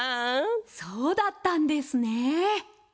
そうだったんですね！